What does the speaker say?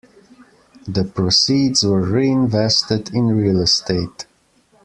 The proceeds were re-invested in real estate.